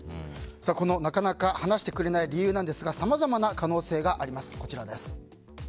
なかなか話してくれない理由なんですがさまざまな可能性があります。